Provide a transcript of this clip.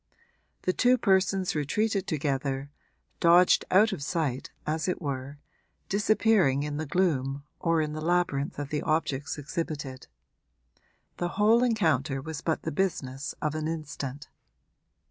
The two persons retreated together dodged out of sight, as it were, disappearing in the gloom or in the labyrinth of the objects exhibited. The whole encounter was but the business of an instant.